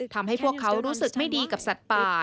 ทำให้พวกเขารู้สึกไม่ดีกับสัตว์ป่า